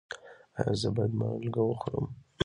ایا زه باید مالګه وخورم؟